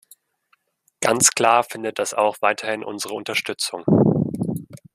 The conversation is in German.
Ganz klar findet das auch weiterhin unsere Unterstützung.